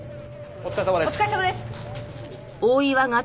お疲れさまです！